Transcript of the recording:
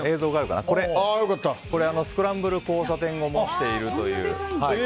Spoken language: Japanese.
スクランブル交差点を模しているという。